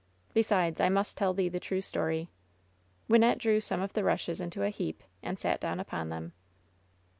Besides, I must tell thee the true story." Wynnette drew some of the rushes into a heap, and sat down upon them.